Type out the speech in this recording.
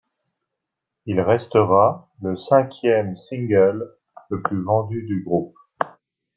Il restera le cinquième single le plus vendu du groupe.